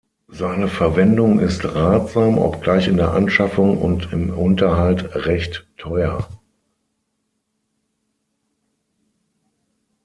Seine Verwendung ist ratsam, obgleich in der Anschaffung und im Unterhalt recht teuer.